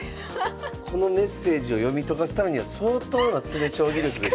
このメッセージを読み解かすためには相当な詰将棋力が必要。